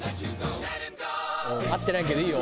合ってないけどいいよ。